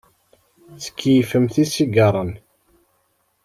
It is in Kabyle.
Tkeyyfemt isigaṛen.